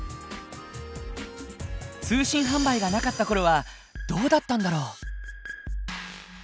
通信販売がなかったころはどうだったんだろう？